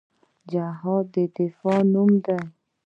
جهاد د دفاع نوم دی